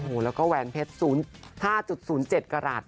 โอ้โหแล้วก็แหวนเพชร๐๕๐๗กระหลาด